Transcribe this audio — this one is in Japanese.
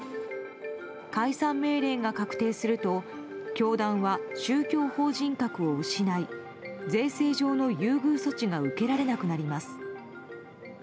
解散命令が確定すると教団は宗教法人格を失い税制上の優遇措置が受けられなくなります。